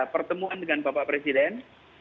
pertemuan dengan bapak presiden